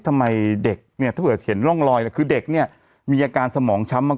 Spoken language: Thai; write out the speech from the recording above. ทำไมเด็กเนี่ยถ้าเกิดเห็นร่องรอยเนี่ยคือเด็กเนี่ยมีอาการสมองช้ำมาก